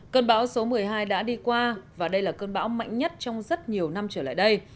cơn bão số một mươi hai đã đi qua và đây là cơn bão mạnh nhất trong rất nhiều năm trở lại đây